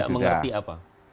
tidak mengerti apa